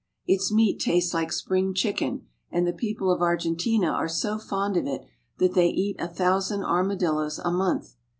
Its meat tastes like spring chicken, and the people of Argentina are so fond of it that they eat a thousand armadillos a month.